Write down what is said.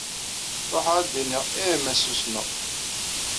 Ṛuḥeɣ ad d-iniɣ ih ma susmeɣ.